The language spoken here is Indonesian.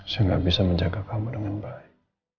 saya gak bisa menjaga kamu dengan baik